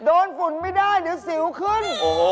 ฝุ่นไม่ได้เดี๋ยวสิวขึ้น